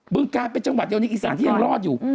ึงการเป็นจังหวัดเดียวในอีสานที่ยังรอดอยู่